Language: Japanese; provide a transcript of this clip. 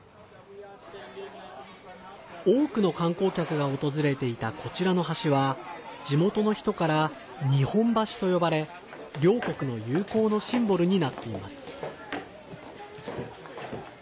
多くの観光客が訪れていたこちらの橋は地元の人から日本橋と呼ばれ両国の友好のシンボルになっています。